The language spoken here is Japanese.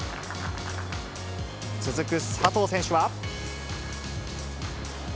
続く佐藤選手は。